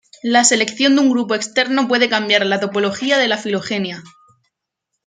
La selección de un grupo externo puede cambiar la topología de la filogenia.